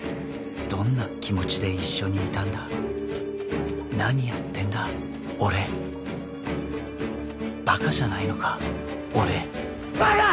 どんな気持ちで一緒にいたんだ何やってんだ俺バカじゃないのか俺バカッ！